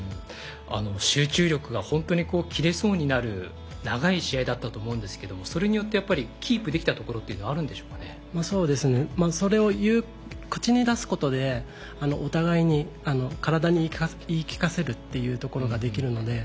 集中力が本当に切れそうになる長い試合だったと思うんですけどもそれによって、やっぱりキープできたところというのはそうですねそれを口に出すことでお互いに体に言い聞かせるということができるので。